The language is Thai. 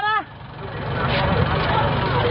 กลับมาให้ฟัง